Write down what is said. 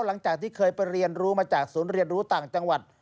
หลังจากที่เคยไปเรียนรู้มาจากศูนย์เรียนรู้ต่างจังหวัด